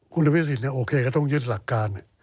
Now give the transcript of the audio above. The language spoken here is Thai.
คุณอภิษฎโอเคก็ต้องยึดหลักการ